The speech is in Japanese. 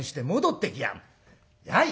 やい！